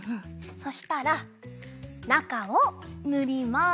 そしたらなかをぬります！